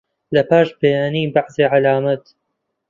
لەپاش بەیانی بەعزێ عەلامەت